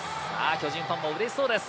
巨人ファンも、うれしそうです。